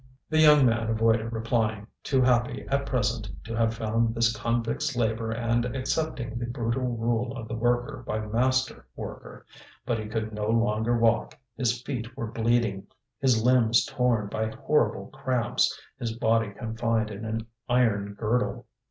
The young man avoided replying, too happy at present to have found this convict's labour and accepting the brutal rule of the worker by master worker. But he could no longer walk, his feet were bleeding, his limbs torn by horrible cramps, his body confined in an iron girdle.